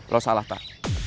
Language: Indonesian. lo salah pak